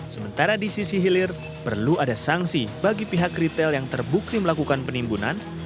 sementara di sisi hilir perlu ada sanksi bagi pihak retail yang terbukti melakukan penimbunan